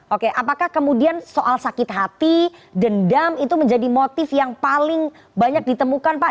oke apakah kemudian soal sakit hati dendam itu menjadi motif yang paling banyak ditemukan pak